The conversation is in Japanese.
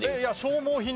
消耗品。